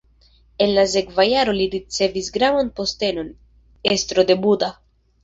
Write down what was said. En la sekva jaro li ricevis gravan postenon: estro de Buda.